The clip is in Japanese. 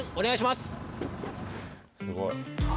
すごい。